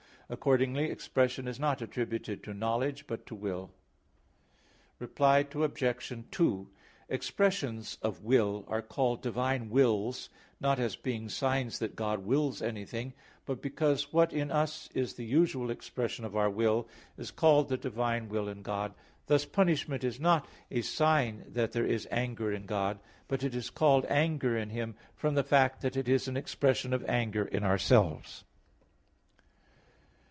Accordingly expression is not attributed to knowledge, but to will. Reply Obj. 2: Expressions of will are called divine wills, not as being signs that God wills anything; but because what in us is the usual expression of our will, is called the divine will in God. Thus punishment is not a sign that there is anger in God; but it is called anger in Him, from the fact that it is an expression of anger in ourselves.